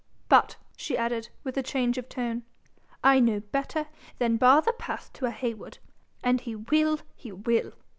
But,' she added, with a change of tone, 'I know better than bar the path to a Heywood. An' he will, he will.